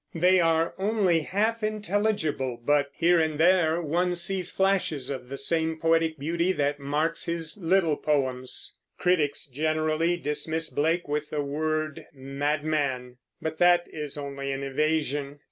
They are only half intelligible, but here and there one sees flashes of the same poetic beauty that marks his little poems. Critics generally dismiss Blake with the word "madman"; but that is only an evasion.